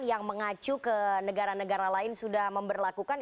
yang mengacu ke negara negara lain sudah memperlakukan